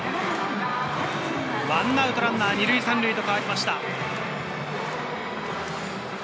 １アウトランナー２塁３塁と変わりました。